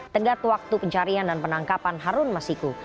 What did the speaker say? tenggat waktu pencarian dan penangkapan harun masiku